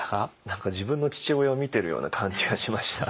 何か自分の父親を見てるような感じがしました。